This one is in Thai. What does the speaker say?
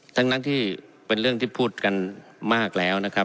ทั้งที่เป็นเรื่องที่พูดกันมากแล้วนะครับ